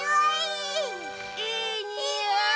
いいにおい！